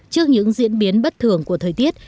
trước những diễn biến bất thường của thời tiết